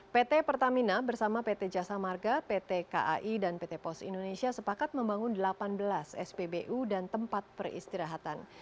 pt pertamina bersama pt jasa marga pt kai dan pt pos indonesia sepakat membangun delapan belas spbu dan tempat peristirahatan